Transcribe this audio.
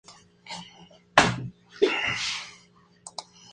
Ella ayudó a Thor en la lucha contra los trolls.